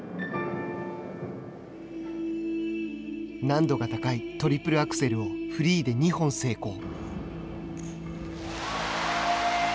難度が高いトリプルアクセルをフリーで２本成功。